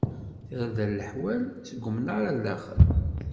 Tarda n leḥwal, seg umnaṛ ar daxel.